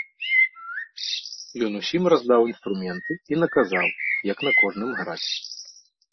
Ён усім раздаў інструменты і наказаў, як на кожным граць.